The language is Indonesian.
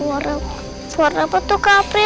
warna apa tuh kak april